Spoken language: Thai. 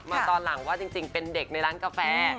ตอนหลังว่าจริงเป็นเด็กในร้านกาแฟ